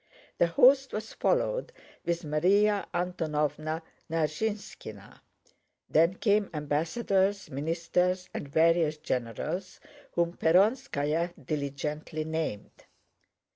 The host followed with Márya Antónovna Narýshkina; then came ambassadors, ministers, and various generals, whom Perónskaya diligently named.